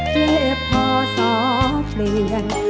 เมื่อพ่อส้อเปลี่ยน